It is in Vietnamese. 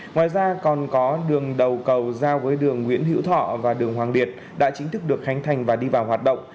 ngoài ra còn có đường đầu cầu giao với đường nguyễn hữu thọ và đường hoàng liệt đã chính thức được khánh thành và đi vào hoạt động